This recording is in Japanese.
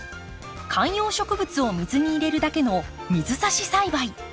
観葉植物を水に入れるだけの水挿し栽培。